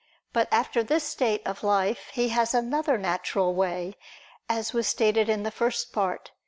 But after this state of life, he has another natural way, as was stated in the First Part (Q.